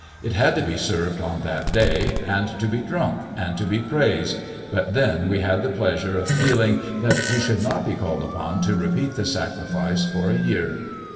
It had to be served on that day, and to be drunk, and to be praised, but then we had the pleasure of feeling that we should not be called upon to repeat the sacrifice for a year.